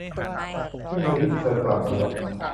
นี่ไงลิซ เธอกลับมาแล้ว